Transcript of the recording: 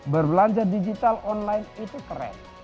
berbelanja digital online itu keren